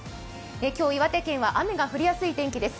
今日、岩手県は雨が降りやすい天気です。